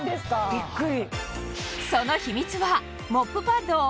ビックリ。